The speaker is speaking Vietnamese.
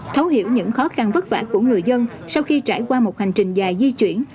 thấu hiểu những khó khăn vất vả của người dân sau khi trải qua một hành trình dài di chuyển